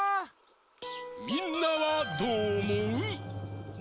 みんなはどうおもう？